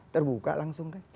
terbuka langsung kan